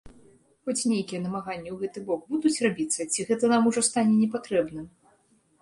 Хоць нейкія намаганні ў гэты бок будуць рабіцца, ці гэта нам ужо стане непатрэбным?